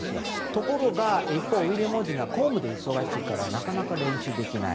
ところが一方、ウィリアム王子が公務で忙しいからなかなか練習できない。